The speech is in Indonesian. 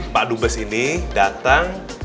pak dumbes ini datang